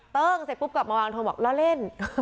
ปึ้งเสร็จปุ๊บกลับมาวางทองบอกเล่าเล่น